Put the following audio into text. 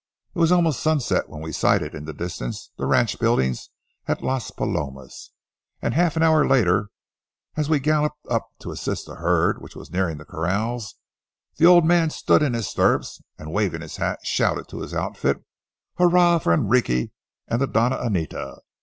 It was almost sunset when we sighted in the distance the ranch buildings at Las Palomas, and half an hour later as we galloped up to assist the herd which was nearing the corrals, the old man stood in his stirrups and, waving his hat, shouted to his outfit: "Hurrah for Enrique and the Doña Anita!"